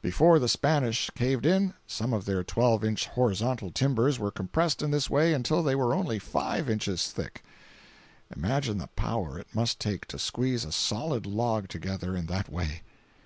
Before the Spanish caved in, some of their twelve inch horizontal timbers were compressed in this way until they were only five inches thick! Imagine the power it must take to squeeze a solid log together in that way.